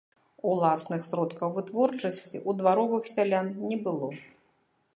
Уласных сродкаў вытворчасці ў дваровых сялян не было.